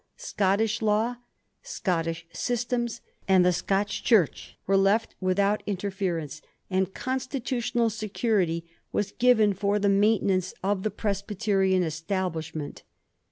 Scottish law, Scottish systems, and the Scotch Church were left without interference, and constitutional security was given for the maintenance of the Pres byterian Establishment.